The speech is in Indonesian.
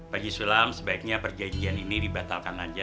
haji sulam sebaiknya perjanjian ini dibatalkan aja